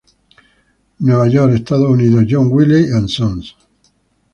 Nueva York, Estados Unidos: John Wiley and Sons.